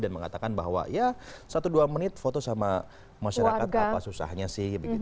dan mengatakan bahwa ya satu dua menit foto sama masyarakat apa susahnya sih